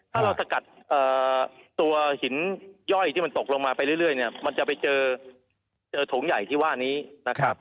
ถ้าเราสกัดตัวหินย่อยที่มันตกลงมาไปเรื่อยเนี่ยมันจะไปเจอโถงใหญ่ที่ว่านี้นะครับ